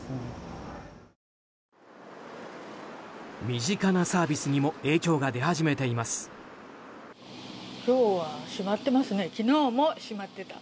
身近なサービスにも影響が出始めています。